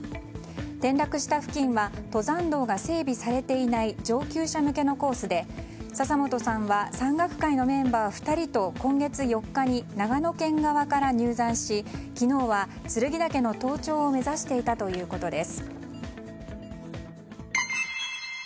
転落した付近は登山道が整備されていない上級者向けのコースで笹本さんは山岳会のメンバー２人と今月４日に長野県側から入山し昨日は剱岳の登頂を目指していたということです。